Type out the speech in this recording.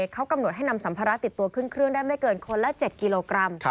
เขากำหนดให้นำสัมภาระติดตัวขึ้นเครื่องได้ไม่เกินคนละ๗กิโลกรัม